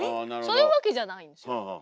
そういうわけじゃないんですよ。